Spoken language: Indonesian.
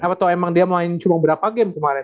atau emang dia main cuma berapa game kemarin